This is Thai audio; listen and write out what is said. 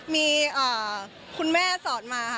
มีคุณแม่สอนมาค่ะ